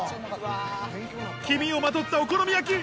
黄身をまとったお好み焼き